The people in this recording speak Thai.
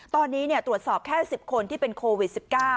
ตอนนี้ตรวจสอบแค่๑๐คนที่เป็นโควิด๑๙